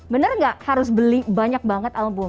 bener gak harus beli banyak banget album